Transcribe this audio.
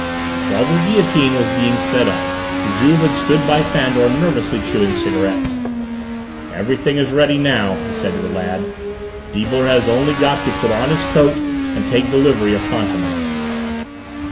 While the guillotine was being set up Juve had stood by Fandor nervously chewing cigarettes. "Everything is ready now," he said to the lad. "Deibler has only got to put on his coat and take delivery of Fantômas."